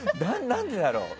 何でだろう